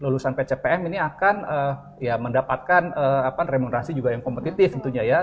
lulusan pcpm ini akan mendapatkan remunerasi juga yang kompetitif tentunya ya